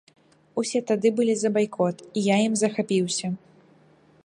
Усе тады былі за байкот, і я ім захапіўся.